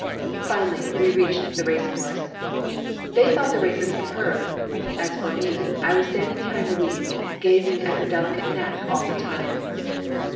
Finally, we reached the race course. They thought the races superb. As for me, I was stand ing behind Louise, gazing at her delicate neck all the time.